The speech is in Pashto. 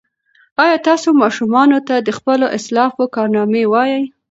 ایا تاسي ماشومانو ته د خپلو اسلافو کارنامې وایئ؟